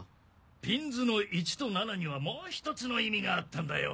ピンズの１と７にはもう１つの意味があったんだよ。